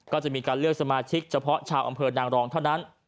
ก็จะมีการเลือกสมาชิกเฉพาะชาวอำเภอนางรองเท่านั้น